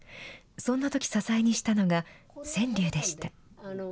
そんなとき、支えにしたのが川柳でした。